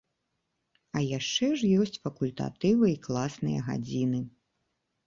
А яшчэ ж ёсць факультатывы і класныя гадзіны.